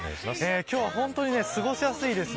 今日は、ほんとに過ごしやすいです。